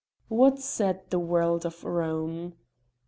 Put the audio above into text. What said the world of Rome?